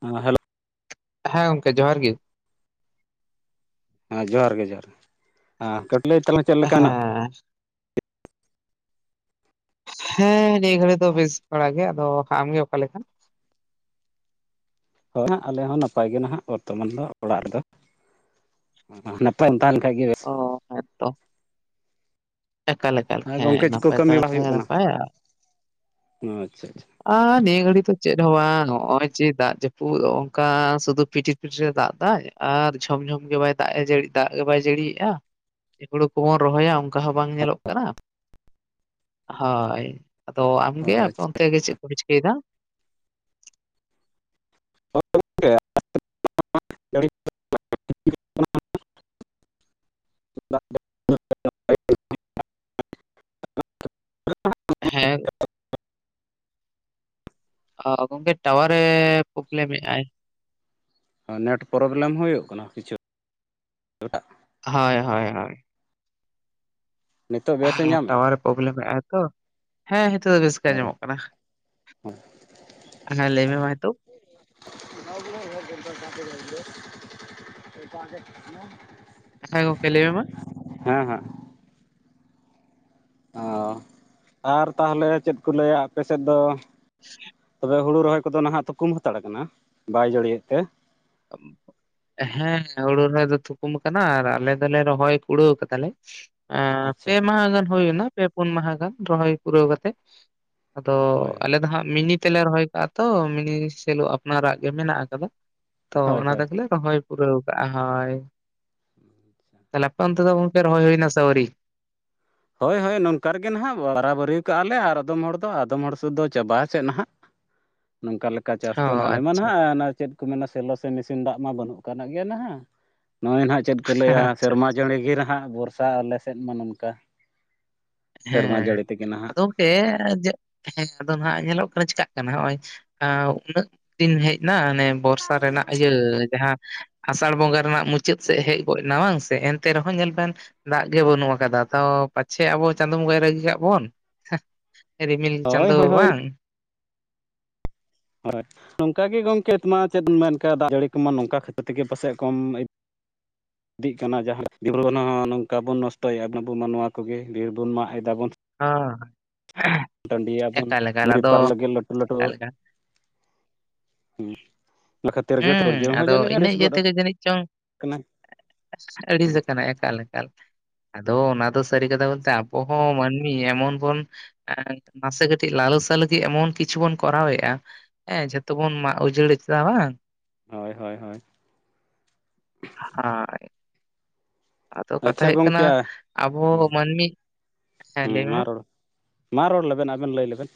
ᱦᱚᱸ ᱦᱮᱞᱳ ᱦᱮᱸ ᱜᱚᱝᱠᱮ ᱡᱚᱦᱟᱨ ᱜᱮ ᱦᱮᱸ ᱡᱚᱦᱟᱨ ᱜᱮ ᱡᱚᱦᱟᱨ ᱜᱮ ᱦᱮᱸ ᱠᱟᱹᱴᱤᱡ ᱞᱟᱹᱭ ᱛᱟᱞᱟᱝ ᱪᱮᱫ ᱞᱮᱠᱟ ᱦᱮᱱᱟᱜ ᱦᱮᱸ [inaudible] ᱦᱮᱸ ᱱᱤᱭᱟᱹ ᱜᱷᱟᱹᱲᱤ ᱫᱚ ᱵᱮᱥ ᱵᱟᱲᱟ ᱜᱮ ᱟᱫᱚ ᱟᱢ ᱜᱮ ᱚᱠᱟ ᱞᱮᱠᱟ? ᱦᱳᱭ ᱦᱟᱸᱜ ᱟᱞᱮ ᱦᱚᱸ ᱱᱟᱯᱟᱭ ᱜᱮ ᱱᱟᱦᱟᱜ ᱵᱚᱨᱛᱚᱢᱟᱱ ᱫᱚ ᱚᱲᱟᱜ ᱨᱮᱫᱚ᱾ ᱱᱟᱯᱟᱭ ᱮᱢ ᱛᱟᱦᱮᱸ ᱞᱮᱱᱠᱷᱟᱱ ᱜᱮ ᱵᱮᱥ ᱚ ᱦᱮᱸ ᱛᱚ, ᱮᱠᱟᱞ ᱮᱠᱟᱞ ᱦᱮᱸ ᱜᱚᱝᱠᱮ ᱪᱮᱫ ᱠᱚ ᱱᱟᱯᱟᱭ ᱠᱟᱹᱢᱤ ᱛᱟᱦᱮ ᱵᱟᱲᱟ ᱦᱩᱭᱩᱜ ᱠᱷᱟᱱ ᱠᱟᱱᱟ ᱱᱟᱯᱟᱭᱼᱟ ᱟᱪᱪᱷᱟ ᱟᱪᱪᱷᱟ ᱟᱨ ᱱᱤᱭᱟᱹ ᱜᱷᱟᱹᱲᱤ ᱫᱚ ᱪᱮᱫ ᱦᱚᱸ ᱵᱟᱝ ᱱᱚᱜᱼᱚᱭ ᱡᱮ ᱫᱟᱜ ᱡᱟᱹᱯᱩᱫ ᱱᱚ ᱱᱚᱝᱠᱟ ᱥᱩᱫᱩ ᱯᱷᱤᱴᱤ [unintelligible] ᱫᱟᱜ ᱫᱟᱭ ᱟᱨ ᱡᱷᱚᱢ ᱡᱷᱚᱢ ᱜᱮ ᱵᱟᱭ ᱫᱟᱜ ᱮ ᱡᱟᱹᱲᱤ ᱫᱟᱜ ᱜᱮ ᱵᱟᱭ ᱡᱟᱹᱲᱤᱭᱮᱜᱼᱟ ᱾ ᱦᱩᱲᱩ ᱠᱚᱵᱚᱱ ᱨᱚᱦᱚᱭᱟ ᱚᱱᱠᱟ ᱦᱚᱸ ᱵᱟᱝ ᱧᱮᱞᱚᱜ ᱠᱟᱱᱟ ᱦᱳᱭ ᱟᱫᱚ ᱟᱢᱜᱮ ᱟᱯᱮ ᱟᱪᱪᱷᱟ ᱚᱱᱛᱮ ᱜᱮ ᱪᱮᱫ ᱠᱚᱯᱮ ᱪᱤᱠᱟᱹᱭᱮᱫᱟ? ᱦᱳᱭ ᱜᱚᱢᱠᱮ [unintelligible] [inaudible] ᱦᱮᱸ ᱚ ᱜᱚᱝᱠᱮ ᱴᱟᱣᱟᱨᱮ ᱯᱨᱚᱵᱞᱮᱢᱮᱜᱼᱟᱭ᱾ ᱚ ᱱᱮᱴ ᱯᱨᱚᱵᱚᱞᱮᱢ ᱦᱩᱭᱩᱜ ᱠᱟᱱᱟ ᱠᱤᱪᱷᱩ ᱮᱴᱟᱜ ᱦᱚᱭ ᱦᱚᱭ ᱦᱚᱭ ᱱᱤᱛᱚᱜ ᱵᱮᱥᱮ ᱦᱮᱸ ᱧᱟᱢᱮᱫᱼᱟ ᱴᱟᱣᱟᱨ ᱮ ᱯᱨᱚᱵᱞᱮᱢᱫ ᱟᱭ ᱛᱚ ᱾ ᱦᱮᱸ ᱱᱤᱛᱚᱜ ᱫᱚ ᱵᱮᱥ ᱜᱮ ᱟᱸᱡᱚᱢᱚᱜ ᱠᱟᱱᱟ᱾ ᱦᱩᱸ ᱦᱮᱸ ᱞᱟᱹᱭ ᱢᱮ ᱢᱟ ᱦᱤᱛᱳᱜ ᱾ [inaudible] [inaudible] ᱟᱪᱷᱟ ᱜᱚᱝᱠᱮ ᱞᱟᱹᱭ ᱢᱮ ᱢᱟ ᱾ ᱦᱮᱸ ᱦᱟᱸᱜ ᱚ ᱟᱨ ᱛᱟᱦᱚᱞᱮ ᱪᱮᱫ ᱠᱚ ᱞᱟᱹᱭᱟ ᱟᱯᱮ ᱥᱮᱫ ᱫᱚ? [unintelligible] ᱛᱚᱵᱮ ᱦᱩᱲᱩ ᱨᱚᱦᱚᱭ ᱠᱚᱫᱚ ᱱᱟᱦᱟᱜ ᱛᱷᱩᱠᱩᱢ ᱦᱟᱛᱟᱲ ᱠᱟᱱᱟ ᱵᱟᱭ ᱡᱟᱹᱲᱤᱭᱮᱫ ᱛᱮ᱾ [unintelligible] ᱦᱮᱸ ᱦᱩᱲᱩ ᱨᱚᱦᱚᱭ ᱫᱚ ᱛᱷᱩᱠᱩᱢ ᱟᱠᱟᱱᱟ ᱟᱨ ᱟᱞᱮ ᱫᱚᱞᱮ ᱨᱚᱦᱚᱭ ᱠᱩᱲᱟᱹᱣ ᱠᱟᱫᱟᱞᱮ ᱾ ᱯᱮ ᱟᱪᱪᱷᱟ ᱢᱟᱦᱟ ᱜᱟᱱ ᱦᱩᱭᱱᱟ ᱯᱮ ᱯᱩᱱ ᱢᱟᱦᱟ ᱜᱟᱱ ᱨᱚᱦᱚᱭ ᱯᱩᱨᱟᱹᱣ ᱠᱟᱛᱮᱜ ᱾ ᱟᱫᱚ ᱦᱳᱭ ᱟᱞᱮ ᱫᱚ ᱦᱟᱸᱜ ᱢᱤᱱᱤᱴ ᱛᱮᱞᱮ ᱨᱚᱦᱚᱭ ᱠᱟᱜᱼᱟ ᱛᱚ ᱢᱤᱱᱤ ᱥᱮᱞᱳ ᱟᱯᱱᱟᱨᱟᱜ ᱜᱮ ᱢᱮᱱᱟᱜ ᱟᱠᱟᱫᱟ ᱛᱚ ᱦᱳᱭ ᱚᱱᱟ ᱦᱳᱭ ᱛᱮᱜᱮ ᱞᱮ ᱨᱚᱦᱚᱭ ᱯᱩᱨᱟᱹᱣ ᱠᱟᱜᱼᱟ ᱦᱳᱭ ᱛᱟᱦᱞᱮ ᱟᱯᱮ ᱚᱱᱛᱮ ᱫᱚ ᱜᱚᱝᱠᱮ ᱨᱚᱦᱚᱭ ᱦᱩᱭᱱᱟ ᱥᱮ ᱟᱹᱣᱨᱤ? ᱦᱳᱭ ᱦᱳᱭ ᱱᱚᱝᱠᱟ ᱨᱮᱜᱮ ᱱᱟᱦᱟᱜ ᱵᱟᱨᱟᱵᱟᱹᱨᱤ ᱠᱟᱜᱼᱟ ᱞᱮ ᱟᱨ ᱟᱫᱚᱢ ᱦᱚᱲ ᱫᱚ ᱟᱫᱚᱢ ᱦᱚᱲ ᱥᱮᱫ ᱫᱚ ᱪᱟᱵᱟ ᱥᱮᱫ ᱱᱟᱦᱟᱜ ᱾ ᱱᱚᱝᱠᱟ ᱞᱮᱠᱟ ᱪᱟᱥ ᱚ ᱫᱚ ᱟᱞᱮ ᱢᱟ ᱟᱪᱪᱷᱟ ᱱᱟᱦᱜ ᱚᱱᱟ ᱪᱮᱫ ᱢᱮᱱᱟ ᱥᱮᱞᱚ ᱥᱮ ᱢᱮᱥᱤᱱ ᱫᱟᱜ ᱢᱟ ᱵᱟᱹᱱᱩᱜ ᱠᱟᱜ ᱜᱮ ᱱᱟᱦᱟᱜ ᱱᱚᱜᱼᱚᱭ ᱱᱟᱦ ᱪᱮᱫ ᱠᱚ ᱞᱟᱹᱭᱟ ᱟᱪᱪᱷᱟ ᱥᱮᱨᱢᱟ ᱡᱟᱹᱲᱤ ᱜᱮ ᱱᱟᱦᱟᱜ ᱵᱚᱨᱥᱟ ᱟᱞᱮ ᱥᱮᱫ ᱢᱟ ᱱᱚᱝᱠᱟ ᱾ ᱦᱮᱸ, ᱱᱟᱦᱟᱜ ᱟᱫᱚ ᱜᱚᱝᱠᱮ ᱦᱮᱸ ᱟᱫᱚ ᱱᱟᱦᱟᱜ ᱧᱮᱞᱚᱜ ᱠᱟᱱᱟ, ᱪᱮᱠᱟᱜ ᱠᱟᱱᱟ, ᱱᱚᱜᱼᱚᱭ ᱾ ᱩᱱᱟᱹᱜ ᱫᱤᱱ ᱦᱮᱡ ᱮᱱᱟ ᱚᱱᱮ ᱵᱚᱨᱥᱟ ᱨᱮᱱᱟᱜ ᱤᱭᱟᱹ ᱾ ᱡᱟᱦᱟᱸ ᱟᱥᱟᱲ ᱵᱚᱸᱜᱟ ᱨᱮᱱᱟᱜ ᱢᱩᱪᱟᱹᱫ ᱥᱮᱫ ᱦᱮᱡ ᱜᱚᱛ ᱮᱱᱟ ᱵᱟᱝ ᱥᱮ ᱮᱱᱛᱮ ᱨᱮᱦᱚᱸ ᱧᱮᱞ ᱵᱮᱱ ᱫᱟᱜ ᱜᱮ ᱵᱟᱹᱱᱩᱜ ᱟᱠᱟᱫᱟ ᱛᱟᱣ ᱯᱟᱪᱷᱮ ᱟᱵᱚ ᱪᱟᱸᱫᱳ ᱵᱚᱸᱜᱟᱭ ᱨᱟᱹᱜᱤ ᱠᱟᱜ ᱵᱚᱱ, ᱨᱤᱢᱤᱞ ᱦᱳᱭ ᱪᱟᱸᱫᱳ ᱦᱳᱭ ᱦᱳᱭ ᱵᱟᱝ ᱾ ᱦᱳᱭ ᱱᱚᱝᱠᱟ ᱜᱮ ᱜᱚᱢᱠᱮ ᱢᱟ ᱪᱮᱫ ᱮᱢ ᱢᱮᱱᱠ ᱫᱟᱜ ᱡᱟᱹᱲᱤ ᱠᱚᱢᱟ ᱱᱚᱝᱠᱟ ᱠᱷᱟᱹᱛᱤᱨ ᱛᱮᱜᱮ ᱯᱟᱥᱮᱡ ᱠᱚᱢ ᱤᱫ [inaudible] ᱤᱫᱤᱜ ᱠᱟᱱᱟ ᱡᱟᱦᱟᱸ ᱱᱚᱝᱠᱟ ᱵᱚᱱ ᱱᱚᱥᱴᱚᱭᱮᱫᱟ ᱟᱵ ᱢᱟ ᱱᱚᱣᱟ ᱠᱚᱜᱮ ᱵᱤᱨ ᱵᱚᱱ ᱢᱟᱜ ᱮᱫᱟ ᱵᱚᱱ ᱦᱚᱸ ᱴᱺᱰᱤᱭᱟᱵᱚᱱ ᱮᱠᱟᱞ ᱮᱠᱟᱞ ᱟᱫᱚ ᱵᱮᱯᱟᱨ ᱞᱮᱜᱮ ᱞᱟᱴᱩ ᱞᱟᱴᱩ ᱮᱠᱟᱞ ᱮᱠᱟᱞ [unintelligible] ᱚᱱᱟ ᱠᱷᱟᱹᱛᱤᱨ ᱜᱮ ᱦᱩᱸ [unintelligible] ᱦᱚᱸ ᱟᱫᱚ ᱡᱟᱹᱱᱤᱡ ᱤᱱᱟᱹ ᱤᱭᱟᱹ ᱛᱮᱜᱮ ᱡᱟᱹᱱᱤᱡ ᱪᱚᱝ [unintelligible] ᱠᱟᱱᱟᱭ ᱟᱹᱲᱤᱥ ᱟᱠᱟᱱᱟᱭ ᱮᱠᱟᱞ ᱮᱠᱟᱞ ᱟᱫᱚ ᱚᱱᱟ ᱫᱚ ᱥᱟᱹᱨᱤ ᱠᱟᱛᱷᱟ ᱵᱚᱞᱛᱮ ᱟᱵᱚ ᱦᱚᱸ ᱢᱟᱹᱱᱢᱤ ᱮᱢᱚᱱ ᱵᱚᱱ ᱱᱟᱥᱮ ᱠᱟᱹᱴᱤᱡ ᱞᱟᱞᱚᱥᱟ ᱞᱟᱹᱜᱤᱫ ᱮᱢᱚᱱ ᱠᱤᱪᱷᱩ ᱵᱚᱱ ᱠᱚᱨᱟᱣ ᱮᱫᱼᱟ ᱦᱮᱸ ᱡᱷᱚᱛᱚ ᱵᱚᱱ ᱢᱟᱜ ᱩᱡᱟᱹᱲ ᱮᱫᱟ ᱵᱟᱝ ᱦᱳᱭ ᱦᱳᱭ ᱦᱳᱭ ᱦᱚᱭ ᱟᱫᱚ ᱠᱟᱛᱷᱟ ᱟᱪᱪᱷᱟ ᱦᱩᱭᱩᱜ ᱠᱟᱱᱟ ᱜᱚᱢᱠᱮ ᱟᱵᱚ ᱢᱟᱹᱱᱢᱤ ᱦᱮᱸ ᱦᱩᱸ ᱞᱟᱹᱭ ᱢᱮ ᱢᱟ ᱨᱚᱲ ᱢᱟ ᱨᱚᱲ ᱞᱮᱵᱮᱱ ᱟᱵᱮᱱ ᱞᱟᱹᱭ ᱞᱮᱵᱮᱱ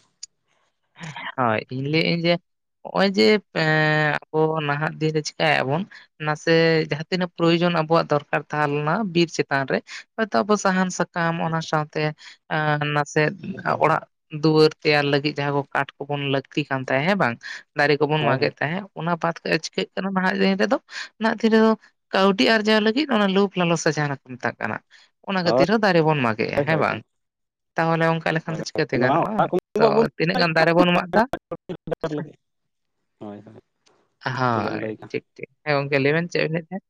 ᱦᱳᱭ ᱤᱧ ᱞᱟᱹᱭ ᱟᱹᱧ ᱡᱮ ᱱᱚᱜᱼᱚᱭ ᱡᱮ ᱮᱸ ᱚ ᱱᱟᱦᱟᱜ ᱫᱤᱱ ᱨᱮ ᱪᱤᱠᱟᱭᱮᱟᱵᱚᱱ ᱱᱟᱥᱮ ᱡᱟᱦᱟᱸ ᱛᱤᱱᱟᱹᱜ ᱯᱨᱳᱭᱳᱡᱚᱱ ᱟᱵᱚᱣᱟᱜ ᱫᱚᱨᱠᱟᱨ ᱛᱟᱦᱮᱸ ᱞᱮᱱᱟ ᱵᱤᱨ ᱪᱮᱛᱟᱱ ᱨᱮ ᱦᱳᱭᱛᱳ ᱟᱵᱚ ᱥᱟᱦᱟᱱ ᱥᱟᱠᱟᱢ ᱚᱱᱟ ᱥᱟᱶᱛᱮ ᱟᱸ ᱱᱟᱥᱮ ᱚᱲᱟᱜ ᱫᱩᱣᱟᱹᱨ ᱛᱮᱭᱟᱨ ᱞᱟᱹᱜᱤᱫ ᱡᱟᱦᱟᱸ ᱠᱚ ᱠᱟᱴ ᱠᱚᱵᱚᱱ ᱞᱟᱹᱠᱛᱤ ᱠᱟᱱ ᱛᱟᱦᱮᱸᱜ ᱦᱮᱸ ᱵᱟᱝ ᱫᱟᱨᱮ ᱠᱚᱵᱚᱱ ᱦᱳᱭ ᱢᱟᱜᱮᱫ ᱛᱟᱦᱮᱸᱫ ᱚᱱᱟ ᱵᱟᱫ ᱠᱟᱫᱮ ᱪᱤᱠᱟᱹᱜ ᱠᱟᱱᱟ ᱱᱟᱦᱟᱜ ᱫᱤᱱ ᱨᱮᱫᱚ ᱱᱟᱦᱟᱜ ᱫᱤᱱ ᱨᱮᱫᱚ ᱠᱟᱹᱣᱰᱤ ᱟᱨᱡᱟᱣ ᱞᱟᱹᱜᱤᱫ ᱚᱱᱟ ᱞᱩᱯ ᱞᱟᱞᱚ ᱥᱮ ᱡᱟᱦᱟᱸᱱᱟᱜ ᱠᱚ ᱢᱮᱛᱟᱜ ᱠᱟᱱᱟ ᱚᱱᱟ ᱦᱳᱭ ᱠᱷᱟᱹᱛᱤᱨ ᱦᱚᱸ ᱫᱟᱨᱮ ᱵᱚᱱ ᱢᱟᱜ ᱠᱮᱟ ᱦᱮᱸ ᱦᱳᱭ ᱵᱟᱝ ᱛᱟᱦᱚᱞᱮ ᱚᱱᱠᱟ ᱞᱮᱠᱷᱟᱱ ᱫᱚ ᱪᱤᱠᱟᱹᱛᱮ ᱦᱳᱭ ᱱᱚᱣᱟ ᱜᱟᱱᱚᱜᱼᱟ ᱚᱲᱟᱜ ᱛᱚ ᱛᱤᱱᱟᱹᱜ ᱜᱟᱱ ᱫᱟᱨᱮ ᱵᱚᱱ ᱢᱟᱜ ᱮᱫᱟ [unintelligible] ᱦᱟᱡᱟᱨ ᱞᱟᱜᱤᱫ ᱦᱳᱭ ᱦᱳᱭ ᱴᱷᱤᱠ ᱴᱷᱤᱠ ᱵᱮᱱ ᱦᱳᱭ ᱞᱟᱹᱭ ᱠᱟᱜ ᱴᱷᱤᱠ ᱴᱷᱤᱠ ᱦᱮᱸ ᱜᱚᱝᱠᱮ ᱞᱟᱹᱭ ᱵᱮᱱ ᱪᱮᱫ ᱵᱮᱱ ᱞᱟᱹᱭ ᱮᱫ ᱛᱟᱦᱮᱸᱫ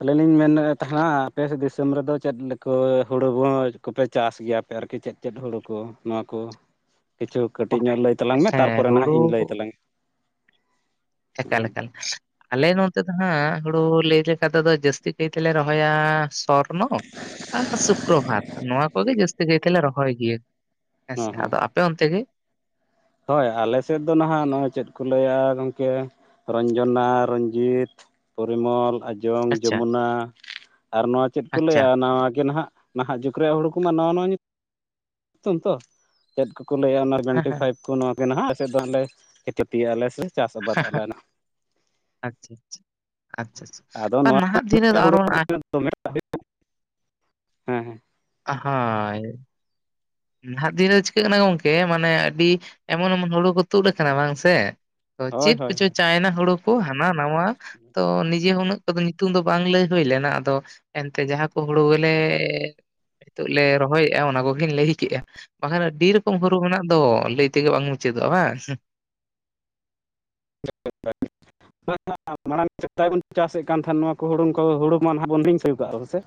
ᱟᱞᱤᱧ ᱞᱤᱧ ᱢᱮᱱᱮᱫ ᱛᱟᱦᱮᱱᱟ ᱟᱯᱮᱥᱮᱪ ᱫᱤᱥᱚᱢ ᱨᱮᱫᱚ ᱪᱮᱫ ᱞᱮᱠᱟ ᱦᱩᱲᱩ [unintelligible] ᱠᱚᱯᱮ ᱪᱟᱥ ᱜᱮᱭᱟᱯᱮ ᱟᱨᱠᱤ ᱪᱮᱫ ᱪᱮᱫ ᱦᱩᱲᱩ ᱠᱚ ᱱᱚᱣᱟ ᱠᱚ ᱠᱤᱪᱷᱩ ᱚ ᱠᱟᱹᱴᱤᱡ ᱧᱚᱜ ᱞᱟᱹᱭ ᱛᱟᱞᱟᱝ ᱢᱮ ᱦᱮᱸ ᱛᱟᱨᱯᱚᱨᱮ ᱱᱟᱦᱟᱜ ᱦᱩᱲᱩ ᱤᱧ ᱞᱟᱹᱭ ᱛᱟᱞᱟᱝᱟ [unintelligible] ᱪᱠᱟᱞᱮᱠᱟᱞ ᱟᱞᱮ ᱱᱚᱛᱮ ᱫᱚ ᱦᱟᱸᱜ ᱦᱩᱲᱩ ᱞᱟᱹᱭ ᱞᱮᱠᱟ ᱛᱮᱫᱚ ᱡᱟᱹᱥᱛᱤ ᱠᱟᱭ ᱛᱮᱞᱮ ᱨᱚᱦᱚᱭᱟ ᱥᱚᱨᱱᱚ ᱟᱨ ᱥᱩᱠᱨᱚ ᱵᱷᱟᱫ ᱱᱚᱣᱟ ᱠᱚ ᱜᱮ ᱡᱟᱹᱥᱛᱤ ᱠᱟᱭ ᱛᱮᱞᱮ ᱨᱚᱦᱚᱭ ᱜᱤᱭᱟᱹ ᱦᱚᱸ ᱦᱮᱸᱥᱮ ᱟᱫᱚ ᱦᱚᱸ ᱟᱯᱮ ᱚᱱᱛᱮ ᱜᱮ ᱦᱳᱭ ᱟᱞᱮ ᱥᱮᱫ ᱫᱚ ᱱᱟᱦᱟᱜ ᱱᱚᱜᱼᱚᱭ ᱪᱮᱫ ᱠᱚ ᱞᱟᱹᱭᱟ ᱜᱚᱢᱠᱮ ᱨᱚᱧᱡᱚᱱᱟ ᱨᱚᱧᱡᱤᱛ ᱯᱚᱨᱤᱢᱚᱞ ᱟᱸᱡᱚᱢ ᱟᱪᱪᱷᱟ, ᱡᱚᱢᱩᱱᱟ ᱟᱨ ᱱᱚᱣᱟ ᱪᱮᱫ ᱠᱚ ᱟᱪᱪᱷᱟ᱾ ᱞᱟᱹᱭᱟ ᱱᱟᱣᱟ ᱜᱮ ᱱᱟᱦᱱᱟᱜ ᱱᱟᱦᱟᱜ ᱡᱩᱜᱽ ᱨᱮᱭᱟᱜ ᱦᱩᱲ ᱠᱚᱢᱟ ᱱᱟᱣᱟ ᱱᱟᱣᱟ ᱧᱩᱛᱩᱢ ᱧᱩᱛᱩᱢ ᱛᱚ ᱪᱮᱫ ᱠᱚᱠᱚ ᱞᱟᱹᱭᱟ ᱚᱱᱟ ᱦᱮᱸ, ᱰᱮᱱᱴᱤ ᱦᱮᱸ᱾ ᱯᱷᱟᱭᱤᱵᱷ ᱠᱚ ᱱᱚᱣᱟ ᱱᱟᱦᱟᱜ [unintelligible] ᱡᱚᱫᱤ ᱟᱞᱮ ᱥᱮ ᱪᱟᱥ ᱟᱵᱟᱫᱽ ᱟᱞᱮᱦᱱᱟᱜ ᱟᱪᱪᱷᱟ ᱟᱪᱪᱷᱟ ᱟᱪᱪᱷᱟ ᱟᱪᱪᱷᱟ ᱟᱫᱚ ᱵᱟ ᱱᱚᱣᱟ ᱱᱟᱦᱟᱜ ᱫᱤᱱ ᱨᱮᱫᱚ ᱦᱩᱲ ᱟᱨᱚ ᱦᱮᱸ ᱦᱮᱸ [unintelligible] ᱟᱦᱟᱹᱭ ᱱᱟᱦᱟᱜ ᱫᱤᱱ ᱨᱮ ᱪᱤᱠᱟᱹᱜ ᱠᱟᱱᱟ ᱜᱚᱝᱠᱮ ᱢᱟᱱᱮ ᱟᱹᱰᱤ ᱮᱢᱚᱱᱼᱮᱢᱚᱱ ᱦᱩᱲᱩ ᱠᱚ ᱛᱩᱫ ᱟᱠᱟᱱᱟ ᱵᱟᱝ ᱥᱮ ᱛᱚ ᱦᱳᱭ ᱪᱮᱫ ᱦᱳᱭ ᱠᱚᱪᱚ ᱪᱟᱭᱱᱟ ᱦᱩᱲᱩ ᱠᱚ ᱦᱟᱱᱟ ᱱᱟᱣᱟ ᱛᱚ ᱱᱤᱡᱮ ᱦᱚᱸ ᱩᱱᱟᱹᱜ ᱛᱚᱵᱮ ᱧᱩᱛᱩᱢ ᱫᱚ ᱵᱟᱝ ᱞᱟᱹᱭ ᱦᱩᱭ ᱞᱮᱱᱟ ᱟᱫᱚ ᱮᱱᱛᱮ ᱡᱟᱦᱟᱸ ᱠᱚ ᱦᱩᱲᱩ ᱜᱮᱞᱮ ᱦᱳᱭ [unintelligible] ᱞᱮ ᱨᱚᱦᱚᱭᱮᱫᱼᱟ ᱚᱱᱟ ᱠᱚᱜᱮ ᱞᱟᱹᱭ [unintelligible] ᱨᱚᱠᱚᱢ ᱦᱚᱨᱩ ᱢᱮᱱᱟᱜ ᱫᱚ ᱞᱟᱹᱭ ᱛᱮᱜᱮ ᱵᱟᱝ ᱢᱩᱪᱟᱹᱫᱚᱜᱼᱟ ᱵᱟᱝ [unintelligible] ᱢᱟᱲᱟᱝ ᱥᱮᱫᱟᱭ ᱵᱚᱱ ᱪᱟᱥᱮᱫ ᱠᱟᱱ ᱛᱟᱦᱮᱸ ᱱᱚᱣᱟ ᱦᱩᱲᱩ ᱠᱚ ᱦᱩᱲᱩ ᱢᱟ ᱱᱟᱦᱟᱜ ᱵᱚᱱ ᱦᱤᱨᱤᱧ ᱥᱟᱹᱨᱤ ᱠᱟᱜ ᱦᱮ ᱥᱮ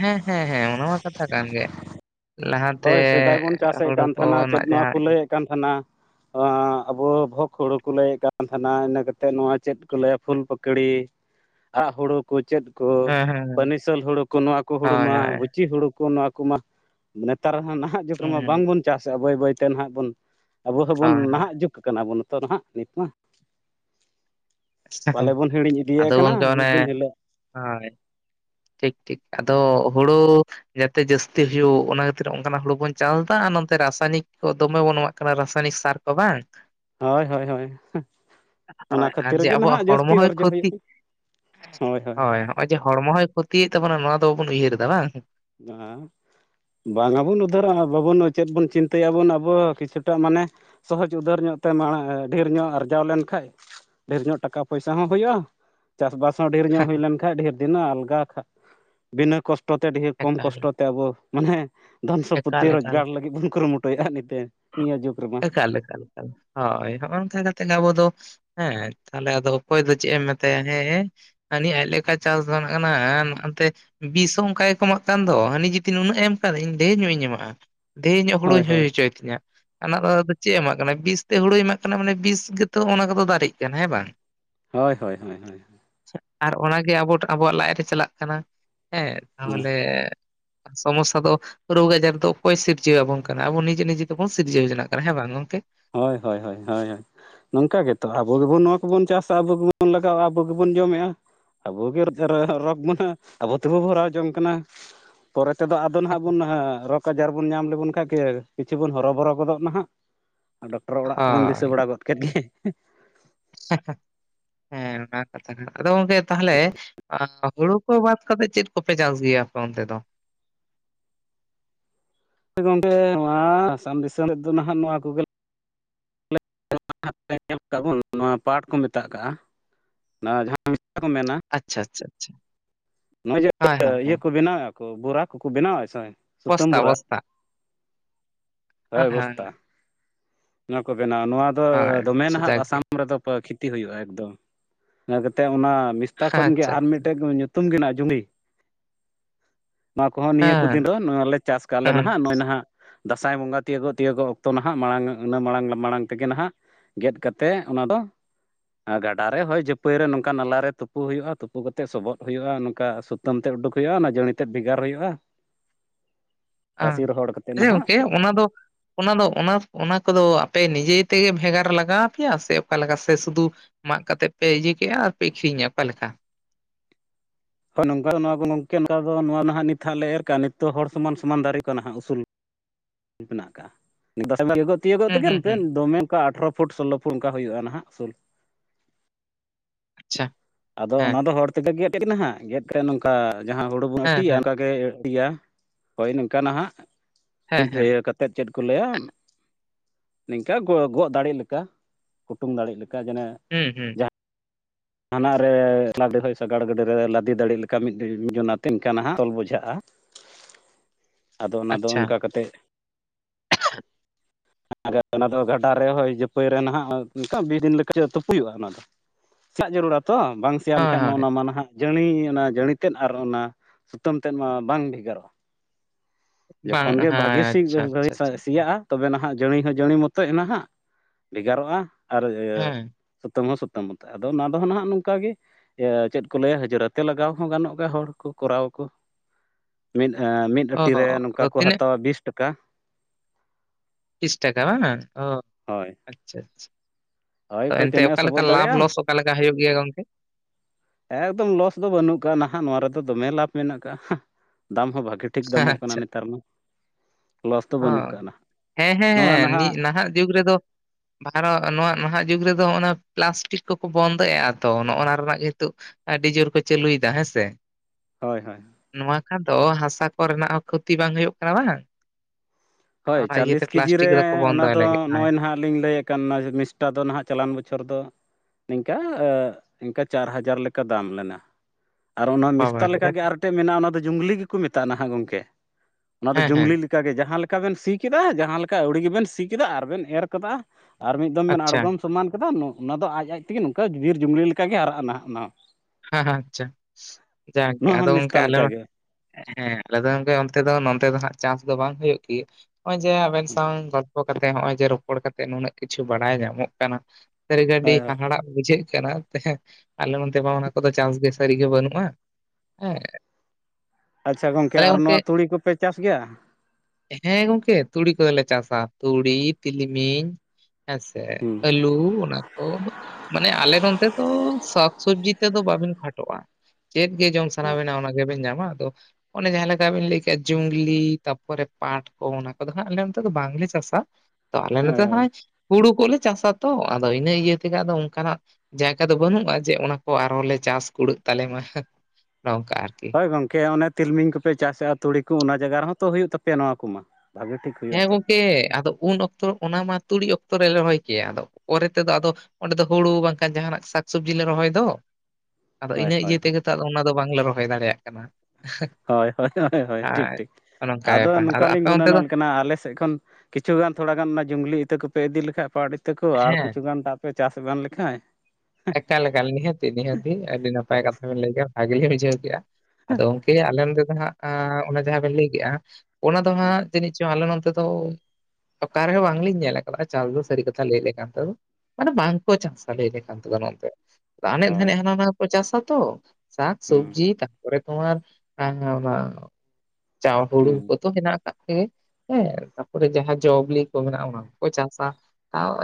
ᱦᱮᱸ ᱦᱮᱸ ᱦᱮᱸ ᱚᱱᱟ ᱢᱟ ᱠᱟᱛᱷᱟ ᱠᱟᱱ ᱜᱮ ᱞᱟᱦᱟᱛᱮ ᱦᱳᱭ ᱥᱮᱫᱟᱭ ᱵᱚᱱ ᱪᱟᱥᱮᱫ ᱦᱩᱲᱩ ᱠᱟᱱ ᱛᱟᱦᱮᱱᱟ ᱠᱚᱱᱟᱜ ᱪᱮᱫ ᱱᱚᱣᱟ ᱠᱚ ᱡᱟᱦᱟᱸ ᱞᱟᱹᱭᱮᱫ ᱠᱟᱱ ᱛᱟᱦᱮᱸᱱᱟ ᱟᱵᱚ ᱵᱷᱳᱜᱽ ᱦᱩᱲᱩ ᱠᱚ ᱞᱟᱹᱭᱮᱫ ᱠᱟᱱ ᱛᱟᱦᱮᱱᱟ ᱤᱱᱟᱹ ᱠᱟᱛᱮᱜ ᱱᱚᱣᱟ ᱪᱮᱫ ᱠᱚ ᱞᱟᱹᱭᱟ ᱯᱷᱩᱞ ᱯᱟᱹᱠᱲᱤ ᱟ ᱦᱩᱲᱩᱵ ᱠᱚ ᱪᱮᱫ ᱠᱚ ᱦᱮᱸ ᱦᱮᱸ ᱯᱟᱱᱤᱥᱞ ᱦᱩᱲᱩ ᱠᱚ ᱱᱚᱣᱟ ᱠᱚ ᱦᱩᱲᱩ ᱦᱳᱭ ᱢᱟ ᱦᱳᱭ ᱵᱩᱪᱤ ᱦᱩᱲᱩ ᱠᱚ ᱱᱚᱣᱟ ᱠᱚᱢᱟ ᱱᱮᱛᱟᱨ ᱱᱟᱦᱟᱜ ᱡᱩᱜᱽ ᱨᱮᱢᱟ ᱦᱩᱸ ᱵᱟᱝᱵᱚᱱ ᱪᱟᱥᱮᱫᱼᱟ ᱵᱟᱹᱭ ᱵᱟᱹᱭᱛᱮ ᱱᱟᱟᱜ ᱵᱚᱱ ᱟᱵᱚ ᱦᱚᱸᱵᱚᱱ ᱦᱳᱭ ᱦᱳᱭ ᱱᱟᱦᱟᱜ ᱡᱩᱜᱽ ᱠᱟᱱᱟ ᱟᱵᱚ ᱱᱤᱛᱚᱜ ᱱᱟᱜ ᱱᱤᱛ ᱢᱟ ᱯᱟᱞᱮ ᱵᱚᱱ ᱦᱤᱲᱤᱧ ᱟᱫᱚ ᱤᱫᱤᱭᱮᱫ ᱠᱟᱱᱟ ᱜᱚᱝᱠᱮ ᱚᱱᱮ ᱢᱤᱫ ᱫᱤᱱ ᱦᱤᱞᱚᱜ ᱦᱳᱭ ᱴᱷᱤᱠᱼᱴᱷᱤᱠ ᱟᱫᱚ ᱦᱩᱲᱩ ᱡᱟᱛᱮ ᱡᱟᱹᱥᱛᱤ ᱦᱩᱭᱩᱜ ᱚᱱᱟ ᱠᱷᱟᱹᱛᱤᱨ ᱚᱱᱟ ᱠᱷᱟᱛᱤᱨ ᱦᱩᱲᱩ ᱵᱚᱱ ᱪᱟᱥᱫᱟ ᱟᱨ ᱱᱚᱛᱮ ᱨᱟᱥᱟᱭᱱᱤᱠ ᱠᱚ ᱫᱚᱢᱮ ᱵᱚᱱ ᱮᱢᱟᱜ ᱠᱟᱱᱟ ᱨᱟᱥᱟᱭᱚᱱᱤᱠ ᱥᱟᱨ ᱚ ᱵᱟᱝ ᱦᱳᱭ ᱦᱳᱭ ᱦᱳᱭ ᱚᱱᱟ ᱦᱳᱭ ᱟᱨ ᱠᱷᱟᱹᱛᱤᱨ ᱡᱮ ᱜᱮ ᱟᱵᱚᱣᱟᱜ ᱱᱟᱦᱟᱜ ᱦᱚᱲᱢᱚ ᱡᱟᱹᱥᱛᱤ ᱦᱚᱭ ᱚᱨᱡᱚ ᱠᱷᱚᱛᱤ ᱦᱩᱭᱩᱜ ᱦᱳᱭ ᱦᱳᱭ ᱱᱚᱜ ᱚᱭ ᱡᱮ ᱦᱚᱲᱢᱚ ᱦᱚᱭ ᱠᱷᱚᱛᱤᱭᱮᱫ ᱛᱟᱵᱚᱱᱟ ᱱᱚᱣᱟ ᱫᱚ ᱵᱟᱵᱚᱱ ᱩᱦᱟᱹᱨ ᱮᱫ ᱟ ᱵᱟᱝ ᱦᱟᱸ ᱦᱟᱸ ᱵᱟᱝ ᱟᱵᱚᱱ ᱩᱫᱽᱫᱷᱟᱹᱨᱼᱟ ᱵᱟᱵᱚᱱ ᱪᱮᱫ ᱵᱚᱱ ᱪᱤᱱᱛᱟᱹᱭᱟᱵᱚᱱ ᱟᱵᱚ ᱠᱤᱪᱷᱩᱴᱟ ᱢᱟᱱᱮ ᱥᱚᱦᱚᱡ ᱩᱫᱷᱟᱹᱨ ᱧᱚᱜ ᱛᱮ ᱢᱟᱲᱟᱝ ᱰᱷᱮᱨ ᱧᱚᱜ ᱟᱨᱡᱟᱣ ᱞᱮᱱᱠᱟᱱᱡ ᱰᱷᱮᱨ ᱧᱚᱜ ᱴᱟᱠᱟ ᱯᱚᱭᱥᱟ ᱦᱚᱸ ᱦᱩᱭᱩᱜᱼᱟ ᱪᱟᱥᱵᱟᱥ ᱦᱚᱸ ᱰᱷᱮᱨ ᱧᱚᱜ ᱦᱩᱭ ᱞᱮᱱᱠᱷᱟᱱᱡ ᱰᱷᱮᱨ ᱫᱤᱱ ᱟᱞᱜᱟ ᱠᱷᱟᱜ ᱵᱤᱱᱟᱹ ᱠᱚᱥᱴᱚ ᱛᱮ ᱰᱷᱮᱨ ᱠᱚᱢ ᱮᱠᱟᱞ ᱠᱚᱥᱴᱚ ᱛᱮ ᱟᱵᱚ ᱢᱟᱱᱮ ᱫᱷᱚᱱ ᱮᱠᱟᱞ ᱥᱚᱯᱚᱛᱤ ᱮᱠᱟᱞ ᱨᱚᱡᱽᱜᱟᱨ ᱞᱟᱹᱜᱤᱫ ᱵᱚᱱ ᱠᱩᱨᱩᱢᱩᱴᱩ ᱴᱚᱭᱟᱜ ᱱᱤᱛᱮᱱ ᱱᱤᱭᱟᱹ ᱡᱩᱜᱽ ᱨᱮᱫᱚ ᱾ ᱞᱮᱞ ᱦᱳᱭ ᱦᱚᱸ ᱚᱱᱠᱟ ᱠᱟᱛᱮ ᱜᱮ ᱟᱵᱚ ᱫᱚᱼᱼ ᱦᱮᱸ ᱛᱟᱦᱚᱞᱮ ᱟᱫᱚ ᱚᱠᱚᱭ ᱫᱚ ᱪᱮᱫ ᱮ ᱮᱢ ᱢᱮᱛᱟᱭᱟ ᱦᱮᱸ ᱦ ᱱᱤ ᱟᱡᱠ ᱪᱟᱥ ᱫᱚᱱᱟᱜ ᱠᱟᱱᱟ ᱚᱱᱛᱮᱼᱼ ᱵᱤᱥ ᱦᱚᱸ ᱚᱱᱠᱟᱭᱮ ᱠᱚ ᱢᱟᱜ ᱠᱟᱱ ᱫᱚ ᱦᱟᱹᱱᱤ ᱡᱩᱫᱤ ᱱᱩᱱᱟᱹᱜ ᱮᱢ ᱠᱟᱱᱟᱱ ᱤᱧ ᱰᱷᱮᱨ ᱧᱚᱜ ᱤᱧ ᱮᱢᱟᱜᱼᱟ ᱫᱤᱭᱮ ᱤᱧᱟᱹᱜ ᱦᱳᱭ ᱦᱩᱲᱩᱧ ᱦᱩᱭ ᱦᱳᱭ ᱦᱚᱪᱚᱭ ᱛᱤᱧᱟᱹ ᱚᱱᱟ ᱫ ᱫᱚ ᱪᱮᱫ ᱮᱢᱟᱜ ᱠᱟᱱᱟ ᱵᱤᱥ ᱛᱮ ᱦᱩᱲᱩᱭ ᱮᱢᱟᱜ ᱠᱟᱱᱟ ᱢᱟᱱᱮ ᱵᱤᱥ ᱜᱮᱛᱚ ᱚᱱᱟ ᱠᱚᱫᱚ ᱫᱟᱨᱮᱜ ᱠᱟᱱᱟ ᱦᱮᱸ ᱵᱟᱝ ᱦᱳᱭ ᱦᱳᱭ ᱦᱳᱭ᱾ ᱟᱨ ᱚᱱᱟᱜᱮ ᱟᱵᱚ ᱟᱵᱚᱣᱟᱜ ᱞᱟᱡᱨᱮ ᱪᱟᱞᱟᱜ ᱠᱟᱱᱟ ᱦᱮᱸ ᱦᱳᱭ ᱛᱟᱦᱚᱞᱮ ᱥᱚᱢᱚᱥᱟ ᱫᱚ ᱨᱳᱜᱽ ᱟᱡᱟᱨ ᱫᱚ ᱦᱚᱠᱚᱭ ᱥᱤᱨᱡᱟᱹᱣ ᱟᱵᱚᱱ ᱠᱟᱱᱟ, ᱟᱵᱚ ᱱᱤᱡᱮ ᱱᱤᱡᱮ ᱛᱮᱵᱚᱱ ᱡᱣᱱᱟᱜ ᱠᱟᱱᱟ ᱦᱮᱸ ᱵᱟᱝ ᱜᱚᱝᱠᱮ? ᱦᱳᱭ ᱦᱳᱭ ᱦᱳᱭ ᱦᱳᱭ᱾ ᱱᱚᱝᱠᱟ ᱜᱮᱛᱚ ᱟᱵᱚ ᱜᱮᱵᱚᱱ ᱱᱚᱣᱟ ᱠᱚᱵᱚᱱ ᱪᱟᱥᱟ ᱟᱵᱚ ᱜᱮᱵᱚᱱ ᱞᱟᱜᱟ-ᱟ ᱟᱵᱚ ᱜᱮᱵᱚᱱ ᱡᱚᱢᱮᱫ-ᱟ ᱾ ᱟᱵᱚ ᱜᱮ ᱨᱳᱜᱽ ᱵᱚᱱᱟ ᱟᱵᱚ ᱛᱮᱵᱚ ᱵᱷᱚᱨᱟᱣ ᱡᱚᱝ ᱠᱟᱱᱟ ᱯᱚᱨᱮ ᱛᱮᱫᱚ ᱟᱫᱚ ᱱᱟᱦᱟᱜ ᱵᱚᱱ ᱨᱳᱜᱽ ᱟᱡᱟᱨ ᱵᱚᱱ ᱧᱟᱢ ᱞᱮᱵᱚᱱ ᱠᱷᱟᱱᱡ ᱠᱤᱪᱷᱩ ᱵᱚᱱ ᱦᱚᱨᱚᱵᱚᱨᱚ ᱜᱚᱫᱚᱜ ᱱᱟᱦᱟᱜ᱾ ᱟᱨ ᱰᱚᱠᱴᱚᱨ ᱚᱲᱟᱜ ᱠᱚᱵᱚᱱ ᱦᱳᱭ ᱫᱤᱥᱟᱹ ᱵᱟᱲᱟ ᱜᱚᱫ ᱠᱮᱫ ᱜᱮ᱾ ᱦᱮᱸ ᱚᱱᱟ ᱠᱟᱛᱷᱟ ᱠᱟᱱᱟ ᱟᱫᱚ ᱜᱚᱝᱠᱮ ᱛᱟᱦᱚᱞᱮ ᱦᱩᱲᱩᱼᱼ ᱠᱚ ᱵᱟᱫ ᱠᱟᱛᱮᱫ ᱪᱮᱫ ᱠᱚᱯᱮ ᱪᱟᱥ ᱜᱮᱭᱟᱯᱮ ᱚᱱᱛᱮ ᱫᱚ? ᱜᱚᱢᱠᱮ ᱱᱚᱣᱟ ᱟᱥᱟᱢ ᱫᱤᱥᱚᱢᱮᱫ ᱫᱚ ᱱᱟᱦᱟᱜ ᱱᱚᱣᱟ ᱠᱚᱜᱮ ᱞᱮ [unintelligible] ᱱᱚᱣᱟ ᱯᱟᱴ ᱠᱚ ᱢᱮᱛᱟᱜ ᱠᱟᱜᱼᱟ ᱱᱚᱣᱟ ᱡᱟᱦᱟᱸ [unintelligible] ᱠᱚ ᱢᱮᱱᱟ᱾ ᱟᱪᱷᱟ ᱟᱪᱷᱟ ᱟᱪᱷᱟ᱾ ᱱᱚᱜ-ᱚᱭ ᱡᱮ ᱤᱭᱟᱹ ᱠᱚ ᱵᱮᱱᱟᱣ ᱟᱠᱚ ᱠᱚ ᱵᱚᱨᱟ ᱠᱚᱠᱚ ᱵᱮᱱᱟᱣᱟ ᱥᱮ ᱥᱩᱛᱟᱹᱢ ᱯᱚᱥᱛᱟ ᱵᱚᱨᱟ ᱵᱚᱥᱛᱟ᱾ ᱦᱳᱭ ᱵᱚᱥᱛᱟ ᱱᱚᱣᱟ ᱠᱚ ᱵᱮᱱᱟᱣᱟ ᱱᱚᱣᱟ ᱫᱚ ᱦᱳᱭ ᱫᱚᱢᱮ ᱟᱪᱪᱷᱟ ᱱᱟᱦᱟᱜ ᱡᱟᱜᱮ ᱟᱥᱟᱢ ᱨᱮᱫᱚ ᱠᱷᱤᱛᱤ ᱦᱩᱭᱩᱜᱼᱟ ᱮᱠᱫᱚᱢ, ᱟᱱᱟᱹ ᱠᱟᱛᱮᱫ ᱚᱱᱟ ᱢᱤᱥᱛᱟ ᱟᱪᱪᱷᱟ ᱠᱷᱚᱱ ᱜᱮ ᱟᱨ ᱟᱪᱪᱷᱟ ᱢᱤᱫᱴᱮᱱᱼᱼ ᱧᱩᱛᱩᱢ ᱜᱮ ᱨᱮᱱᱟᱜ ᱡᱩᱜᱤ ᱱᱚᱣᱟ ᱠᱚᱦᱚᱸ ᱱᱤᱭᱟᱹ ᱠᱚ ᱫᱤᱱ ᱦᱮᱸ ᱨᱮ ᱱᱚ ᱞᱮ ᱪᱟᱥ ᱠᱟᱜᱼᱟᱞᱮ ᱦᱮᱸ ᱦᱮᱸ ᱱᱟᱦᱟᱜ ᱱᱚᱜᱼᱚᱭ ᱱᱟᱦᱟᱜ ᱫᱟᱸᱟᱭ ᱵᱚᱸᱜᱟ ᱛᱤᱭᱟᱹᱜ ᱛᱤᱭᱟᱹᱜ ᱚᱛᱚ ᱱᱟᱦᱟᱜ ᱢᱟᱲᱟᱝ ᱤᱱᱟᱹ ᱢᱟᱲᱟᱝ ᱢᱟᱲᱟᱝ ᱛᱮᱜᱮ ᱱᱟᱦᱟᱜ ᱜᱮᱫ ᱠᱟᱛᱮᱫ ᱚᱱᱟᱫᱚ ᱜᱟᱰᱟᱟᱨ ᱨᱮ ᱦᱳᱭ ᱡᱟᱹᱯᱟᱹᱭ ᱨᱮ ᱱᱚᱝᱠᱟ ᱱᱟᱞ ᱨᱮ ᱛᱩᱯᱩ ᱦᱩᱭᱩᱜᱼᱟ, ᱛᱩᱯᱩ ᱠᱟᱛᱮᱜ ᱥᱚᱵᱚᱜ ᱦᱩᱭᱩᱜᱼᱟ ᱱᱚᱝᱠᱟ ᱥᱩᱛᱟᱹᱢ ᱛᱮᱫ ᱩᱰᱩᱠ ᱦᱩᱭᱩᱜᱼᱟ, ᱚᱱᱟ ᱡᱟᱹᱲᱤ ᱛᱮᱫ ᱵᱷᱮᱜᱟᱨ ᱦᱩᱭᱩᱜᱼᱟ᱾ ᱟᱸᱜ ᱛᱟᱥᱮ ᱨᱚᱦᱚᱲ ᱠᱟᱛᱮᱫ ᱟᱪᱷᱟ ᱱᱟᱦᱟᱜ ᱜᱚᱝᱠᱮ ᱚᱱᱟ ᱫᱚ ᱚᱱᱟ ᱫᱚ ᱚᱱᱟ ᱚᱱᱟ ᱠᱚᱫᱚ ᱟᱯᱮ ᱱᱤᱡᱮ ᱛᱮᱜᱮ ᱵᱷᱮᱜᱟᱨ ᱞᱟᱜᱟᱣ ᱯᱮᱭᱟ ᱥᱮ ᱚᱠᱟᱞᱮᱠᱟ? ᱥᱮ ᱥᱩᱫᱷᱩ ᱢᱟᱜ ᱠᱟᱛᱮᱫ ᱯᱮ ᱤᱭᱟᱹ ᱠᱮᱜᱼᱟ ᱟᱨ ᱯᱮ [unintelligible] ᱚᱠᱟ ᱞᱮᱠᱟ ᱦᱳᱭ ᱱᱚᱝᱠᱟ ᱫᱚ ᱱᱚᱣᱟ ᱜᱚᱝᱠᱮ ᱱᱚᱝᱠᱟ ᱫᱚ ᱱᱚᱣᱟ ᱨᱮᱱᱟᱜ ᱱᱟᱜ ᱱᱤᱛ ᱦᱟᱸᱜ ᱞᱮ ᱮᱨ ᱠᱟᱜᱼᱟ ᱱᱤᱛ ᱫᱚ ᱦᱚᱲ ᱥᱚᱢᱟᱱ ᱥᱚᱢᱟᱱ ᱫᱟᱨᱮ ᱠᱚᱜᱼᱟ ᱱᱟᱦᱟᱜ ᱩᱥᱩᱞ᱾ ᱢᱮᱱᱟᱜ ᱟᱠᱟᱜᱼᱟ [unintelligible] ᱯᱟᱹᱛᱤᱭᱟᱹ ᱠᱟᱛᱮ ᱦᱩᱸ ᱜᱮ ᱦᱩᱸ ᱯᱮ ᱦᱩᱸ ᱫᱚᱢᱮ ᱚᱱᱠᱟ ᱟᱴᱷᱚᱨᱚ ᱯᱷᱩᱴ ᱥᱳᱞᱳ ᱯᱷᱩᱴ ᱚᱱᱠᱟ ᱦᱩᱭᱩᱜᱼᱟ ᱱᱟᱦᱟᱜ ᱥᱳᱞ ᱟᱪᱷᱟ᱾ ᱟᱫᱚ ᱚᱱᱟ ᱫᱚ ᱦᱚᱲ ᱛᱮᱫᱮ ᱜᱮᱫᱮᱫ ᱠᱟᱱᱟ ᱱᱟᱦᱟᱸᱜ, ᱜᱮᱫ ᱠᱟᱛᱮᱫ ᱱᱚᱝᱠᱟ ᱡᱟᱦᱟᱸ ᱦᱩᱲᱩ ᱵᱚᱱ ᱦᱮᱸ ᱟᱹᱴᱤᱭᱟ ᱦᱮᱸ ᱚᱱᱠᱟ ᱜᱮ ᱟᱹᱴᱤᱭᱟ᱾ ᱦᱳᱭ ᱱᱚᱝᱠᱟ ᱱᱟᱦᱜ ᱦᱮᱸ ᱢᱤᱫ ᱦᱮᱸ ᱤᱭᱟᱹ ᱠᱟᱛᱮᱫ ᱪᱮᱫ ᱠᱚ ᱞᱟᱹᱭᱟ, ᱱᱤᱝᱠᱟ ᱜᱚ ᱜᱚᱜ ᱫᱟᱲᱮᱜ ᱞᱮᱠᱟ ᱠᱩᱴᱩᱢ ᱫᱟᱲᱮᱜ ᱞᱮᱠᱟ, ᱡᱮᱱᱚ ᱦᱩᱸ ᱦᱩᱸ᱾ ᱦᱟᱱᱟ ᱨᱮ ᱞᱫᱮ ᱦᱚᱭ ᱥᱟᱜᱟᱲ ᱜᱟᱹᱰᱤᱨᱮ ᱞᱟᱫᱮ ᱫᱟᱲᱮᱜ ᱞᱮᱠᱟ ᱢᱤᱫ ᱡᱚᱱᱟᱛᱮ ᱠᱟᱱᱟ ᱦ ᱚᱞ ᱵᱩᱡᱷᱟᱜᱼᱟ᱾ ᱟᱫᱚ ᱚᱱᱟ ᱫᱚ ᱟᱪᱪᱷᱟ ᱚᱱᱠᱟ ᱠᱟᱛᱮᱫ ᱟᱨ ᱚᱱᱟ ᱫᱚ ᱜᱟᱰᱟ ᱨᱮ ᱦᱚᱭ ᱡᱟᱹᱯᱟᱹᱭ ᱨᱮ ᱱᱟᱦᱟᱜ ᱚᱱᱠᱟ [unintelligible] ᱛᱩᱯᱩᱭᱚᱜᱼᱟ ᱚᱱᱟ ᱫᱚ ᱾ ᱥᱮᱟᱜ ᱡᱟᱹᱨᱩᱲᱟᱛᱚ ᱵᱟᱝ ᱥᱮᱭᱟᱢ ᱦᱳᱭ ᱠᱷᱟᱱᱡ ᱢᱟ ᱦᱳᱭ ᱚᱱᱟ ᱢᱟ ᱱᱟᱦᱟᱜ ᱡᱟᱹᱲᱤ ᱚᱱᱟ ᱡᱟᱹᱲᱤ ᱛᱮᱫ ᱟᱨ ᱚᱱᱟ ᱥᱩᱛᱟᱹᱢ ᱛᱮᱫ ᱢᱟ ᱵᱟᱝ ᱵᱷᱮᱜᱟᱨᱚᱜᱼᱟ ᱵᱟᱝ ᱡᱚᱠᱷᱚᱱ ᱜᱮ ᱵᱷᱟᱸᱜᱤ ᱦᱮᱸ ᱴᱷᱤᱠ ᱟᱪᱪᱷᱟ ᱟᱪᱪᱷᱟ ᱟᱪᱪᱷᱟ ᱥᱤᱭᱟᱜᱼᱟ ᱛᱚᱵᱮ ᱱᱟᱦᱟᱜ ᱡᱟᱹᱲᱤ ᱦᱚᱸ ᱡᱟᱹᱲᱤ ᱢᱚᱛᱚᱡ ᱮᱱᱟ ᱦᱟᱸᱜ ᱵᱷᱮᱜᱟᱨᱚᱜᱼᱟ ᱟᱨ ᱦᱮᱸ ᱥᱩᱛᱟᱹᱢ ᱦᱚᱸ ᱥᱩᱛᱟᱹᱢ ᱢᱚᱛᱚ ᱟᱫᱚ ᱚᱱᱟ ᱫᱚ ᱱᱟᱦᱟᱜ ᱱᱚᱝᱠᱟ ᱜᱮ ᱤᱭᱟᱹ ᱪᱮᱫ ᱠᱚ ᱞᱟᱹᱭᱼᱟ ᱦᱟᱡᱨᱟᱛᱮ ᱞᱟᱜᱟᱣ ᱦᱚᱸ ᱜᱟᱱᱚᱜ ᱜᱮᱭᱟ ᱦᱚᱲ ᱠᱚ ᱠᱚᱨᱟᱣ ᱟᱠᱚ᱾ ᱢᱤᱫ ᱟ ᱢᱤᱫ ᱚ ᱟᱹᱴᱤ ᱨᱮ ᱱᱚᱝᱠᱟ ᱟᱫᱚ ᱠᱚ ᱛᱤᱱᱟᱹᱜ ᱦᱟᱛᱟᱣᱟ ᱵᱤᱥ ᱴᱟᱠᱟ [unintelligible] ᱴᱟᱠᱟ ᱵᱟᱝ-ᱟ ᱚ ᱦᱳᱭ ᱟᱪᱪᱷᱟ ᱟᱪᱪᱷᱟ ᱦᱳᱭ ᱛᱚ ᱚᱠᱚᱭ ᱮᱱᱛᱮ ᱛᱤᱱᱟᱹᱜ ᱮ ᱚᱠᱟ ᱞᱮᱠᱟ ᱥᱚᱵᱚᱫ ᱞᱟᱵᱷ ᱫᱟᱲᱮᱭᱟᱜᱼᱟ ᱞᱚᱥ ᱚᱠᱟ ᱞᱮᱠᱟ ᱦᱳᱭᱳᱜ ᱜᱮᱭᱟ ᱜᱚᱝᱠᱮ ᱮᱠ ᱫᱚᱢ ᱞᱚᱥ ᱫᱚ ᱵᱟᱹᱱᱩᱜ ᱠᱟᱜᱼᱟ ᱱᱟᱦᱟᱜ ᱱᱚᱣᱟ ᱨᱮᱫᱚ ᱫᱚᱢᱮ ᱞᱟᱵᱷ ᱢᱮᱱᱟᱜ ᱟᱠᱟᱜ-ᱟ ᱫᱟᱢ ᱦᱚᱸ ᱵᱷᱟᱜᱮ ᱴᱷᱤᱠ ᱫᱟᱢ-ᱚᱜ ᱠᱟᱱᱟ ᱟᱪᱪᱷᱟ ᱱᱮᱛᱟᱨ ᱢᱟ ᱞᱚᱥ ᱫᱚ ᱚ ᱵᱟᱹᱱᱩᱜ ᱠᱟᱫᱟ ᱦᱮᱸ ᱦᱮᱸ ᱦᱮᱸ [unintelligible] ᱱᱟᱦᱟᱜ ᱡᱩᱜᱽ ᱨᱮ ᱫᱚ [unintelligible] ᱱᱚᱣᱟ ᱱᱟᱦᱟᱜ ᱡᱩᱜᱽ ᱨᱮ ᱫᱚ ᱱᱚᱜᱼᱚ ᱱᱚᱣᱟ ᱯᱞᱟᱥᱴᱤᱠ ᱠᱚ ᱠᱚ ᱵᱚᱱᱫᱚ ᱮᱜ-ᱟ ᱛᱚ ᱱᱚᱜ-ᱚ ᱱᱚᱶᱟ ᱨᱮᱱᱟᱜ ᱜᱮ ᱱᱤᱛᱚᱜ ᱟᱹᱰᱤ ᱡᱳᱨ ᱠᱚ ᱪᱟᱹᱞᱩᱭ ᱮᱫᱟ ᱦᱮᱸ ᱥᱮ ᱦᱳᱭ ᱦᱳᱭ ᱱᱚᱣᱟ ᱠᱷᱟᱱ ᱫᱚ ᱦᱟᱥᱟ ᱠᱚ ᱨᱮᱱᱟᱜ ᱦᱚᱸ ᱠᱷᱚᱛᱤ ᱵᱟᱝ ᱦᱳᱭᱳᱜ ᱠᱟᱱᱟ ᱵᱟᱝ ᱦᱳᱭ ᱚᱱᱟ ᱪᱟᱞᱞᱤᱥ ᱤᱭᱟᱹᱛᱮ ᱠᱤᱡᱤ ᱯᱞᱟᱥᱴᱤᱠ ᱨᱮ ᱫᱚᱠᱚ ᱚᱱᱟ ᱵᱚᱱᱫᱚᱭ ᱫᱚ ᱞᱟᱹᱜᱤᱫ ᱦᱳᱭ᱾ ᱱᱚᱭ ᱱᱟᱦ ᱞᱟᱹᱭ ᱟᱠᱟᱱᱟ [unintelligible] ᱴᱟᱜ ᱫᱚ ᱱᱟᱦᱟᱜ ᱪᱟᱞᱟᱱ ᱵᱚᱪᱷᱚᱨ ᱫᱚ ᱱᱤᱝᱠᱟ ᱮ ᱤᱝᱠᱟ ᱪᱟᱨ ᱦᱟᱡᱟᱨ ᱞᱮᱠᱟ ᱫᱟᱢ ᱞᱮᱱᱟ ᱟᱨ ᱚᱱᱟ [unintelligible] ᱵᱟᱵᱟᱨᱮ ᱞᱮᱠᱟ ᱜᱮ ᱟᱨ [unintelligible] ᱴᱮᱡ ᱢᱮᱱᱟᱜᱼᱟ ᱚᱱᱟ ᱫᱚ ᱡᱩᱝᱞᱤ ᱜᱮ ᱠᱚ ᱢᱮᱛᱟᱜᱼᱟ ᱱᱟᱦᱟᱜ ᱜᱚᱝᱠᱮ ᱚᱱᱟ ᱫᱚ ᱦᱮᱸ ᱦᱮᱸ ᱡᱩᱝᱞᱤ ᱞᱮᱠᱟ ᱜᱮ ᱡᱟᱦᱟᱸ ᱞᱮᱠᱟ ᱵᱮᱱ ᱥᱤ ᱠᱮᱫᱟ ᱡᱟᱦᱟᱸ ᱞᱮᱠᱟ ᱟᱹᱣᱲᱤ ᱜᱮ ᱵᱮᱱ ᱥᱤ ᱠᱮᱫᱟ ᱟᱨ ᱵᱮᱱ ᱮᱨ ᱠᱟᱫᱟ ᱟᱨ ᱢᱤᱫ ᱫᱚᱢ ᱢᱮ ᱟᱪᱪᱷᱟ ᱟᱬᱜᱚᱢ ᱥᱚᱢᱟᱱ ᱠᱮᱫᱟ ᱚᱱᱟ ᱫᱚ ᱟᱡ ᱟᱡ ᱛᱮᱜᱮ ᱱᱚᱝᱠᱟ ᱵᱷᱤᱨ ᱡᱩᱝᱞᱤ ᱞᱮᱠᱟ ᱜᱮ ᱦᱟᱨᱟᱜᱼᱟ ᱱᱟᱦᱟᱜ [unintelligible] ᱟᱪᱪᱷᱟ ᱡᱟᱠ ᱱᱚᱣᱟ ᱟᱫᱚ ᱦᱚᱸ ᱚᱱᱠᱟ ᱢᱮᱥᱛᱟ ᱟᱞᱮ ᱞᱮᱠᱟᱜᱮ ᱦᱮᱸ ᱟᱞᱮ ᱫᱚ ᱜᱚᱝᱠᱮ ᱚᱱᱛᱮ ᱫᱚ ᱱᱚᱛᱮ ᱫᱚ ᱦᱟᱜ ᱪᱟᱹᱥ ᱫᱚ ᱵᱟᱝ ᱦᱩᱭᱩᱜ ᱜᱮᱭᱼᱟ ᱱᱚᱜᱼᱚᱭ ᱡᱮ ᱟᱵᱮᱱ ᱥᱟᱶ ᱜᱚᱞᱯᱷᱚ ᱠᱟᱛᱮ ᱱᱚᱜᱼᱚᱭ ᱡᱮ ᱨᱚᱯᱚᱲ ᱠᱟᱛᱮᱜ ᱱᱩᱱᱟᱹᱜ ᱠᱤᱪᱷᱩ ᱵᱟᱲᱟᱭ ᱧᱟᱢᱚᱜ ᱠᱟᱱᱟ ᱥᱟᱹᱨᱤ ᱜᱮ ᱟᱹᱰᱤ ᱦᱳᱭ ᱦᱳᱭ ᱦᱟᱦᱟᱲᱟᱜ ᱵᱩᱡᱷᱟᱹᱜ ᱠᱟᱱᱟ ᱟᱞᱮ ᱚᱱᱛᱮ ᱢᱟ [unintelligible] ᱪᱟᱹᱥ ᱜᱮ ᱥᱟᱹᱨᱤ ᱜᱮ ᱵᱟᱹᱱᱩᱜᱼᱟ [unintelligible] ᱟᱪᱪᱷᱟ ᱜᱚᱝᱠᱮ ᱟᱨ ᱱᱚᱣᱟ ᱛᱩᱲᱤ ᱠᱚ ᱯᱮ ᱪᱟᱹᱥ ᱜᱮᱭᱟ ᱦᱮᱸ ᱜᱚᱝᱠᱮ ᱛᱩᱲᱤ ᱠᱚᱫᱚ ᱞᱮ ᱪᱟᱹᱥ-ᱟ ᱛᱩᱲᱤ ᱛᱤᱞᱢᱤᱧ ᱦᱮᱸᱥᱮ ᱟᱹᱞᱩ ᱚᱱᱟ ᱠᱚ ᱢᱟᱱᱮ ᱟᱞᱮ ᱱᱚᱛᱮ ᱫᱚ ᱥᱚᱠ ᱥᱚᱵᱡᱤ ᱛᱮᱫᱚ ᱵᱟᱵᱤᱱ ᱠᱷᱟᱴᱚᱜᱼᱟ ᱪᱮᱫ ᱜᱮ ᱡᱚᱢ ᱥᱟᱱᱟ ᱦᱳᱭ ᱵᱮᱱᱟ ᱚᱱᱟ ᱜᱮ ‌ᱵᱮᱱ ᱧᱟᱢᱟ ᱟᱫᱚ ᱚᱱᱮ ᱡᱟᱸᱦᱟ ᱞᱮᱠᱟ ᱵᱤᱱ ᱞᱟᱹᱭ ᱠᱮᱫᱮᱜᱼᱟ ᱡᱩᱝᱞᱤ ᱛᱟᱯᱚᱨᱮ ᱯᱟᱴ ᱠᱚ ᱚᱱᱟ ᱠᱚᱫᱚ ᱦᱟᱸᱜ ᱵᱟᱝ ᱟᱞᱮ ᱱᱚᱛᱮ ᱫᱚ ᱵᱟᱝᱞᱮ ᱪᱟᱹᱥ-ᱟ ᱛᱚ ᱟᱞᱮ ᱱᱚᱛᱮ ᱦᱳᱭ ᱦᱩᱲᱩ ᱠᱚᱞᱮ ᱪᱟᱹᱥ-ᱟ ᱛᱚ ᱟᱫᱚ ᱤᱱᱟᱹ ᱤᱭᱟᱹ ᱛᱮᱜᱮ ᱟᱫᱚ ᱚᱝᱠᱟᱱᱟᱜ ᱡᱟᱭᱜᱟ ᱫᱚ ᱵᱟᱹᱱᱩᱜᱼᱟ ᱡᱮ ᱚᱱᱟ ᱠᱚ ᱟᱨ ᱦᱚᱸ ᱞᱮ ᱪᱟᱹᱥ ᱠᱩᱲᱟᱹᱜ ᱛᱟᱞᱮᱢᱟ ᱚᱱᱮ ᱱᱚᱝᱠᱟ ᱟᱨ ᱠᱤ [unintelligible] ᱜᱚᱝᱠᱮ ᱚᱱᱮ ᱛᱤᱞᱢᱤᱧ ᱠᱚᱯᱮ ᱪᱟᱹᱥ ᱮᱜᱼᱟ ᱛᱩᱲᱤ ᱠᱚ ᱚᱱᱟ ᱡᱟᱭᱜᱟ ᱨᱮᱦᱚᱸ ᱛᱚ ᱦᱳᱭᱳᱜ ᱛᱟᱯᱮᱭ-ᱟ ᱱᱚᱣᱟ ᱠᱚᱢᱟ ᱵᱷᱟᱹᱜᱤ ᱴᱷᱤᱠ ᱦᱩᱭᱩᱜᱼᱟ ᱦᱮᱸ ᱛᱚ ᱜᱚᱝᱠᱮ ᱟᱫᱚ ᱩᱱ ᱚᱠᱛᱚ ᱚᱱᱟ ᱢᱟ ᱛᱩᱲᱤ ᱚᱠᱛᱚ ᱨᱮ ᱞᱮ ᱨᱚᱦᱚᱭ ᱜᱮᱭ-ᱟ ᱟᱫᱚ ᱯᱚ ᱨᱮ ᱛᱮ ᱫᱚ ᱟᱫᱚ ᱚᱸᱰᱮ ᱫᱚ ᱦᱳᱲᱳ ᱵᱟᱝ ᱠᱷᱟᱱ ᱡᱟᱦᱟᱱᱟᱜ ᱥᱟᱠ ᱥᱚᱵᱽᱡᱤ ᱞᱮ ᱨᱚᱦᱚᱭ ᱫᱚ ᱟᱫᱚ ᱦᱳᱭ ᱤᱱᱟᱹ ᱦᱳᱭ ᱤᱭᱟᱹ ᱦᱳᱭ ᱛᱮᱜᱮ ᱛᱚ ᱚᱱᱟ ᱫᱚ ᱵᱟᱝ ᱞᱮ ᱨᱚᱦᱚᱭ ᱫᱟᱲᱮᱭ-ᱟᱜ ᱠᱟᱱᱟ ᱦᱳᱭ ᱦᱳᱭ ᱦᱳᱭ ᱦᱳᱭ ᱴᱷᱤᱠ ᱟᱨ ᱴᱷᱤᱠ ᱚᱱᱮ ᱚᱱᱠᱟ ᱟᱫᱚ ᱵᱮᱯᱟᱨ ᱱᱚᱝᱠᱟ ᱞᱤᱧ ᱟᱯᱮ ᱚᱱᱛᱮ ᱫᱚ ᱜᱩᱱᱟᱹᱱ-ᱚᱜ ᱠᱟᱱᱟ ᱟᱞᱮ ᱥᱮᱫ ᱠᱷᱚᱱ ᱠᱤᱪᱷᱩ ᱜᱟᱱ ᱛᱷᱚᱲᱟ ᱜᱟᱱ ᱚᱱᱟ ᱡᱩᱝᱞᱤ ᱤᱛᱟᱹ ᱠᱚᱯᱮ ᱤᱫᱤ ᱞᱮᱠᱷᱟᱡ ᱯᱟᱴ ᱤᱛᱟᱹ ᱠᱚ ᱟᱨ ᱦᱮᱸ ᱠᱤᱪᱷᱩ ᱜᱟᱱ ᱴᱟᱜ ᱯᱮ ᱪᱟᱥ ᱮᱢᱟᱱ ᱞᱮᱠᱷᱟᱡ ᱮᱠᱟᱞ ᱮᱠᱟᱞ ᱱᱤᱦᱟᱹᱛᱤ ᱱᱤᱦᱟᱹᱛᱤ ᱟᱹᱰᱤ ᱱᱟᱯᱟᱭ ᱠᱟᱛᱷᱟ ᱵᱮᱱ ᱞᱟᱹᱭ ᱠᱮᱜ-ᱟ ᱵᱷᱟᱹᱜ-ᱮ ᱞᱤᱧ ᱵᱩᱡᱷᱟᱹᱣ ᱠᱮᱜᱼᱟ ᱟᱫᱚ ᱜᱚᱝᱠᱮ ᱟᱞᱮ ᱱᱚᱛᱮ ᱫᱚ ᱦᱟᱸᱜ ᱚᱱᱮ ᱡᱟᱦᱟᱸ ᱵᱮᱱ ᱞᱟᱹᱭ ᱠᱮᱜᱼᱟ ᱚᱱᱟ ᱫᱚ ᱦᱟᱸᱜ ᱡᱟᱹᱱᱤᱡ ᱪᱚᱝ ᱟᱞᱮ ᱱᱚᱛ ᱫᱚ ᱚᱠᱟ ᱨᱮᱦᱚᱸ ᱵᱟᱝ ᱞᱤᱧ ᱧᱮᱞ ᱟᱠᱟᱫᱟ ᱪᱟᱹᱥ ᱫᱚ ᱥᱟᱹᱨᱤ ᱠᱟᱛᱷᱟ ᱞᱟᱹᱭ ᱞᱮᱠᱷᱟᱱ ᱛᱮ ᱫᱚ ᱢᱟᱱᱮ ᱵᱟᱝ ᱠᱚ ᱪᱟᱹᱥ [unintelligible] ᱟᱱᱮᱡ ᱦᱳᱭ ᱫᱷᱟᱱᱮ ᱦᱟᱱᱟ ᱱᱟᱣᱟ ᱠᱚ ᱪᱟᱹᱥ-ᱟ ᱛᱚ ᱥᱟᱠ ᱦᱩᱸ ᱥᱚᱵᱽᱡᱤ ᱛᱟᱯᱚ ᱨᱮ [unintelligible] [unintelligible] ᱦᱳᱲᱳ ᱦᱩᱸ ᱠᱚᱫᱚ ᱦᱮᱱᱟᱜ [unintelligible] [unintelligible] ᱛᱟᱯᱚᱨᱮ ᱡᱟᱦᱟᱸ ᱡᱚ ᱵᱤᱞᱤ ᱠᱚ ᱢᱮᱱᱟᱜᱼᱟ ᱚᱱᱟ ᱠᱚᱠᱚ ᱪᱟᱹᱥ-ᱟ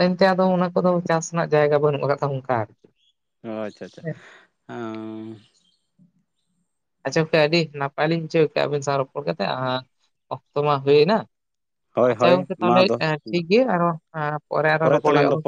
ᱮᱱᱛᱮ ᱫᱚ ᱚᱱᱟ ᱠᱚᱫᱚ ᱪᱟᱹᱥ ᱨᱮᱱᱟᱜ ᱡᱟᱭᱜᱟ ᱵᱟᱹᱱᱩᱜ ᱟᱠᱟᱫ ᱚ ᱟᱪᱷᱟ ᱟᱪᱷᱟ ᱟᱪᱪᱷᱟ ᱜᱚᱢᱠᱮ ᱟᱹᱰᱤ ᱱᱟᱯᱟᱭ ᱞᱤᱧ ᱵᱩᱡᱷᱟᱹᱣ ᱠᱮᱜᱼᱟ ᱟᱹᱵᱤᱱ ᱥᱟᱶ ᱨᱚᱯᱚᱲ ᱠᱟᱛᱮᱜ ᱟᱨ ᱚᱠᱛᱚ ᱢᱟ ᱦᱩᱭ ᱮᱱᱟ ᱦᱳᱭ ᱟᱪᱷᱟ ᱦᱳᱭ ᱜᱚᱢᱠᱮ ᱢᱟ ᱛᱟᱦᱞᱮ ᱫᱚ ᱴᱷᱤᱠ ᱜᱮᱭᱟ ᱟᱨᱚ ᱯᱚᱨᱮ ᱟᱨᱚ ᱨᱚᱯᱚᱲ ᱦᱳᱭᱳᱜ ᱼᱟ